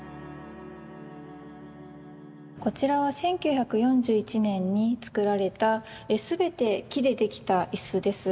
こちらは１９４１年に作られた全て木でできた椅子です。